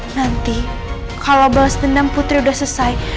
nanti kalau balas dendam putri sudah selesai